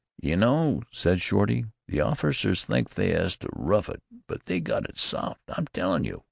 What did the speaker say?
"You know," said Shorty, "the officers thinks they 'as to rough it, but they got it soft, I'm tellin' you!